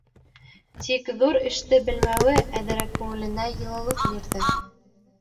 Тик ҙур эште белмәүе әҙерәк күңеленә йылылыҡ бирҙе.